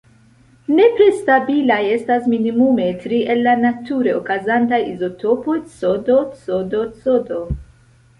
Nepre stabilaj estas minimume tri el la nature okazantaj izotopoj: Cd, Cd, Cd.